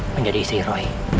menjadi istri roy